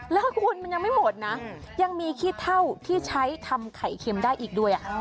แล้วคุณมันยังไม่หมดนะยังมีขี้เท่าที่ใช้ทำไข่เค็มได้อีกด้วย